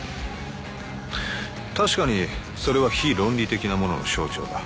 確かにそれは非論理的なものの象徴だ